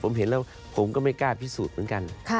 ผมเห็นแล้วผมก็ไม่กล้าพิสูจน์เหมือนกัน